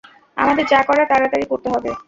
আমাদের যা করার তাড়াতাড়ি করতে হবে।